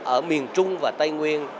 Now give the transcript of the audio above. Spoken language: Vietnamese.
ở miền trung và tây nguyên